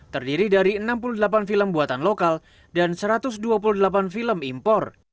terdiri dari enam puluh delapan film buatan lokal dan satu ratus dua puluh delapan film impor